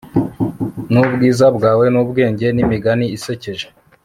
nubwiza bwawe nubwenge n'imigani isekeje